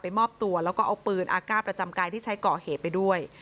มอบตัวแล้วก็เอาปืนอากาศประจำกายที่ใช้ก่อเหตุไปด้วย